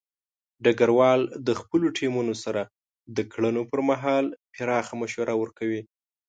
ډګروال د خپلو ټیمونو سره د کړنو پر مهال پراخه مشوره ورکوي.